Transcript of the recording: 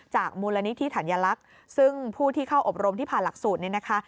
มูลนิธิธัญลักษณ์ซึ่งผู้ที่เข้าอบรมที่ผ่านหลักสูตรเนี่ยนะคะ